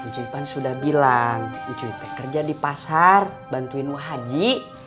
cuy kan sudah bilang cuy teh kerja di pasar bantuin wahaji